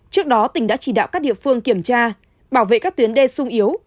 trước đó tỉnh đã chỉ đạo các địa phương kiểm tra bảo vệ các tuyến đê sung yếu